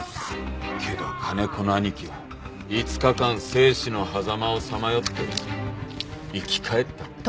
けど金子の兄貴は５日間生死のはざまをさまよって生き返った。